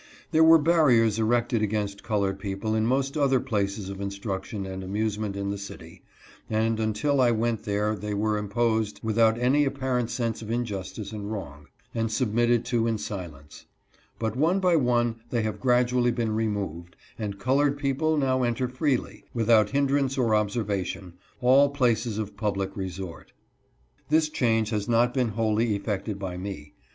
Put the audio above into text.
A FAVORABLE CHANGE. There were barriers erected against colored people in most other places of instruction and amusement in the city, and until I went there they were imposed without any apparent sense of injustice and wrong, and submitted to in silence ; but one by one they have gradually been removed, and colored people now enter freely, without hindrance or observation, all places of public resort. This change has not been wholly effected by me.